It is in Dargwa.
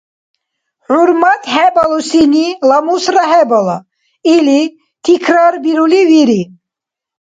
ХӀурмат хӀебалусини ламусра хӀебала или, тикрарбирули вири.